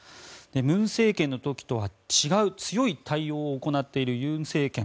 文政権の時とは違う強い対応を行っている尹政権。